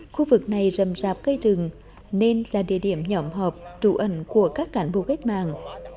khu vực này rầm rạp cây rừng nên là địa điểm nhỏm họp trụ ẩn của các cảnh bố ghét màng